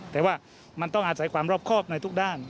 แต่ว่ามันต้องอาศัยความรอบครอบในทุกด้าน